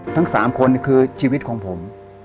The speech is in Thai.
ทั้ง๓คนคือชีวิตของผม